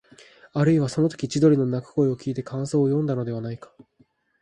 あるいは、そのとき千鳥の鳴く声をきいて感想をよんだのではないか、